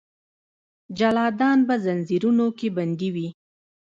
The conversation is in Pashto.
جلادان به ځنځیرونو کې بندي وي.